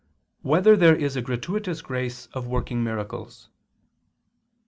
1] Whether There Is a Gratuitous Grace of Working Miracles?